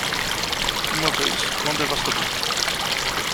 Uma vez tão devastador